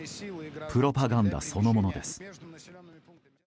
プロパガンダそのものです。